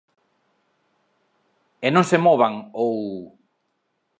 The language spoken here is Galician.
¡E non se movan ou...!